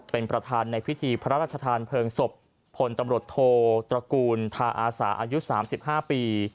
เป็นประธานในพิธีพระราชทานเพลิงศพพลตำรวจโทตระกูลทาอาสาอายุ๓๕ปี